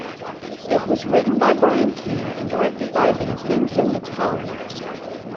It was written by Brian King and directed by Vincenzo Natali.